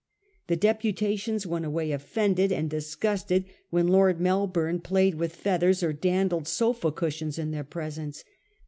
The deputations went away offended and disgusted when Lord Melbourne played with feathers or dandled sofa cushions in their presence.